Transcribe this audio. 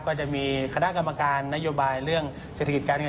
ก็จะมีคณะกรรมการนโยบายเรื่องเศรษฐกิจการเงิน